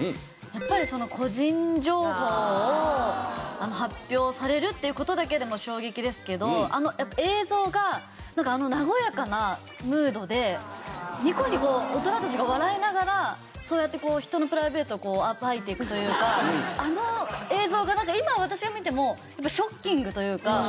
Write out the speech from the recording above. やっぱり個人情報を発表されるっていう事だけでも衝撃ですけどあの映像がなんかあの和やかなムードでニコニコ大人たちが笑いながらそうやって人のプライベートを暴いていくというかあの映像が今私が見てもショッキングというか。